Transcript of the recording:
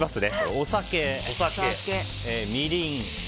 お酒、みりん